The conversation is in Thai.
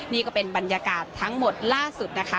นี่ก็เป็นบรรยากาศทั้งหมดล่าสุดนะคะ